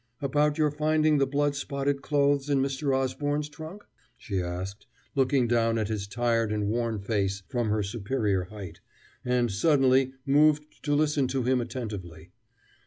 "About your finding the blood spotted clothes in Mr. Osborne's trunk?" she asked, looking down at his tired and worn face from her superior height, and suddenly moved to listen to him attentively.